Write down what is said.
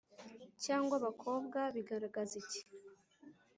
cyangwa abakobwa bigaragaza iki?